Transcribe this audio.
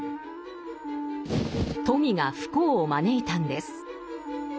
富が不幸を招いたんです。